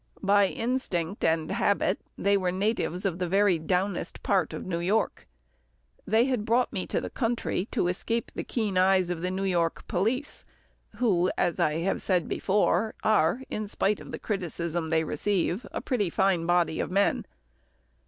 By instinct and habit, they were natives of the very downest part of New York. They had brought me to the country to escape the keen eyes of the New York police, who, as I have said before, are, in spite of the criticism they receive, a pretty fine body of men.